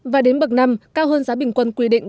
và đến bậc năm cao hơn giá bình quân quy định